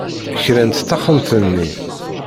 Krant taxxamt-nni.